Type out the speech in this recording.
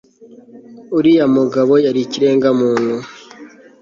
Uriya mugabo yari ikirenga muntu